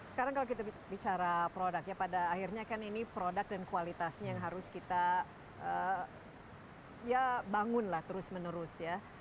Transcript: sekarang kalau kita bicara produk ya pada akhirnya kan ini produk dan kualitasnya yang harus kita ya bangunlah terus menerus ya